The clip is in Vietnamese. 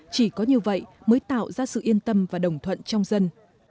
chỉ có như vậy mới tạo ra sự yên tâm và đồng thuận trong dân